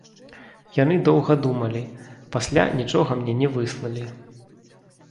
Яны доўга думалі, пасля нічога мне не выслалі.